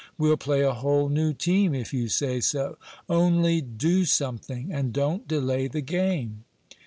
We'll play a whole new team if you say so. Only do something, and don't delay the game."